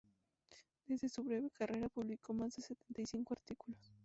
Durante su breve carrera publicó más de setenta y cinco artículos.